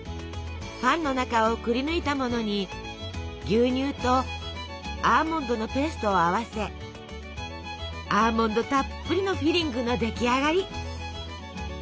パンの中をくりぬいたものに牛乳とアーモンドのペーストを合わせアーモンドたっぷりのフィリングの出来上がり。